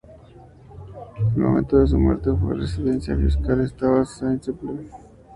En el momento de su muerte, su residencia fiscal estaba en Saint-Sulpice, Vaud, Suiza.